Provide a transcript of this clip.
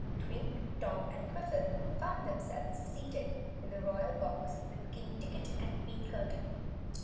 Twink, Tom, and Twiffle found themselves seated in the Royal Box with King Ticket and Queen Curtain.